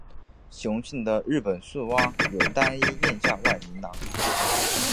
雄性的日本树蛙有单一咽下外鸣囊。